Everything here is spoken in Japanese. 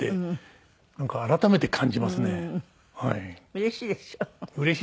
うれしいでしょ？